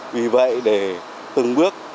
vì vậy để từng bước